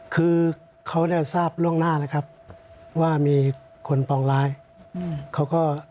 คือเขาเนี่ยทราบล่วงหน้าแล้วครับว่ามีคนปองร้ายเขาก็